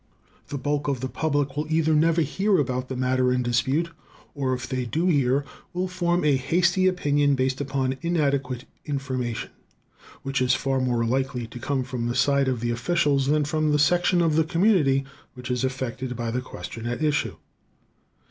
The bulk of the public will either never hear about the matter in dispute, or, if they do hear, will form a hasty opinion based upon inadequate information, which is far more likely to come from the side of the officials than from the section of the community which is affected by the question at issue.